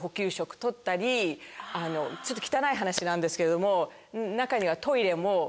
ちょっと汚い話なんですけれども中には。